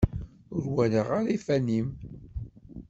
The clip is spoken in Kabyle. Ur walaɣ ara iffan-im?